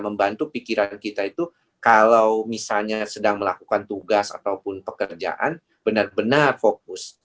membantu pikiran kita itu kalau misalnya sedang melakukan tugas ataupun pekerjaan benar benar fokus